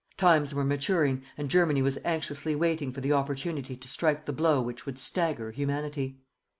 Times were maturing and Germany was anxiously waiting for the opportunity to strike the blow which would stagger Humanity.